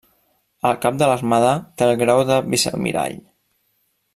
El cap de l'Armada té el grau de Vicealmirall.